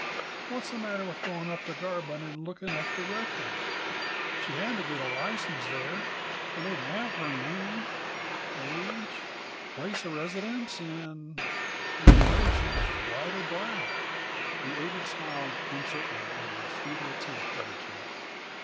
What's the matter with going up to Garbin and looking up the record? She had to get the license there, and they'd have her name, age, place of residence, and and whether she's white or black." The agent smiled uncertainly over his feeble attempt at a joke.